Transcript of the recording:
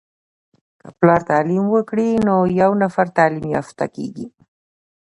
که پلار تعليم وکړی نو یو نفر تعليم يافته کیږي.